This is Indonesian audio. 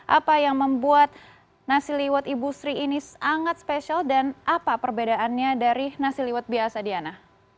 apa yang membuat nasi liwet ibu sri ini sangat spesial dan apa perbedaannya dari nasi liwet biasa diana